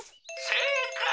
「せいかい！